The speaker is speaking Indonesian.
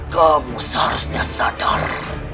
kamu seharusnya sadar